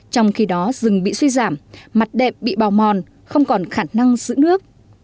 trong khi đó rừng bị suy giảm mặt đệm bị bào mòn không còn khả năng giữ nước